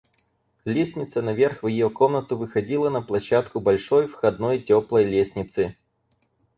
Лестница наверх в ее комнату выходила на площадку большой входной теплой лестницы.